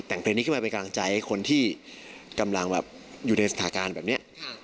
แต่งเพลงนี้ขึ้นมาเป็นกำลังใจให้คนที่กำลังแบบอยู่ในสถานการณ์แบบนี้